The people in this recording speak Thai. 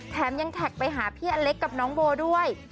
แถมยังแท็กไปหาพี่อเล็กกับน้องโบด้วย